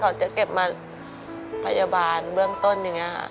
เขาจะเก็บมาพยาบาลเบื้องต้นอย่างนี้ค่ะ